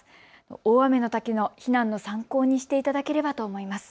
大雨のときの避難の参考にしていただければと思います。